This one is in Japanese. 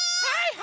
はい！